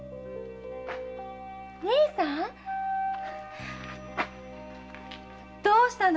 兄さん⁉どうしたの？